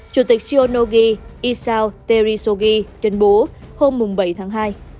chủ tịch shionogi isao terisogi tuyên bố hôm bảy tháng hai